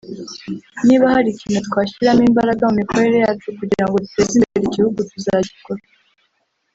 Niba hari ikintu twashyiramo imbaraga mu mikorere yacu kugira ngo duteze imbere igihugu tuzagikora